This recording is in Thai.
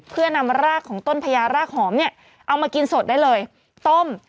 เพื่อนำรากของต้นพญารากหอมเนี่ยเอามากินสดได้เลยต้ม